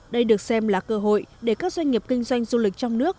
đây được xem là cơ hội để các doanh nghiệp kinh doanh du lịch trong nước